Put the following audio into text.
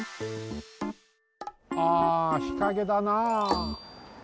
ああ日陰だなあ。